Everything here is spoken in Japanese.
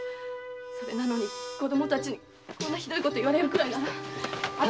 それなのに子供たちにこんなひどいこと言われるぐらいならあたし出て行きます！